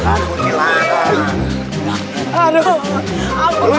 aduh lu pantes semua ini